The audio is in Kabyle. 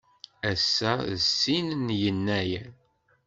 Ass-a d sin Yennayer.